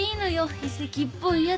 遺跡っぽいやつ。